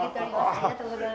ありがとうございます。